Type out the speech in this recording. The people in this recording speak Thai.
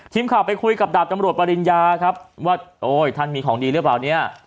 ทีมข่าวไปคุยกับดาบตำรวจปริญญาครับว่าโอ้ยท่านมีของดีหรือเปล่าเนี่ย